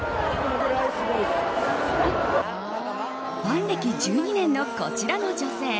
ファン歴１２年のこちらの女性。